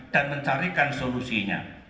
dan mencarikan solusinya